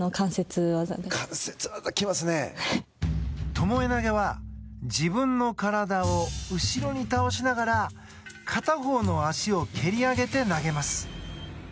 ともえ投げは自分の体を後ろに倒しながら片方の足を蹴り上げて投げます。